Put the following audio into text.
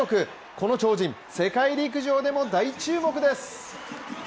この超人、世界陸上でも大注目です。